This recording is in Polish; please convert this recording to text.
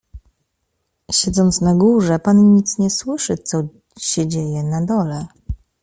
"Siedząc na górze, pan nic nie słyszy, co się dzieje na dole."